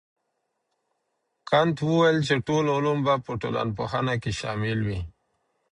کنت وويل چي ټول علوم به په ټولنپوهنه کي شامل وي.